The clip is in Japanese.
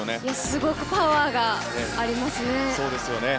すごくパワーがありますね。